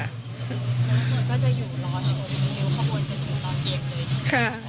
แล้วเธอก็จะอยู่รอชนอยู่ข้างบนจนถึงตอนเย็นเลยใช่ไหมคะ